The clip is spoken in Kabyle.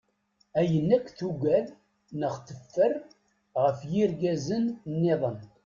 Ayen akk tugad neɣ teffer ɣef yirgazen-nniḍen.